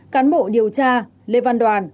cán bộ điều tra lê văn đoàn